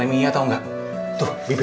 lepas itu aku akan mencoba